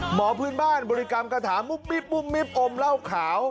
หมอพื้นบ้านบริกรรมคาถามุบมิบมุบมิบอมเหล้าขาว